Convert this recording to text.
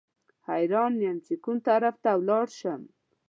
حیران یم چې کوم طرف ته ولاړ شم.